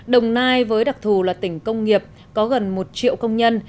đồng nai với đặc thù là tỉnh công nghiệp có gần một triệu công nhân